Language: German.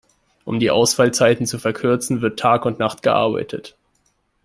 Um die Ausfallzeiten zu verkürzen, wird Tag und Nacht gearbeitet.